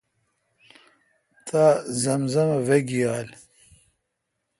تا آب زمزم وئ گیال۔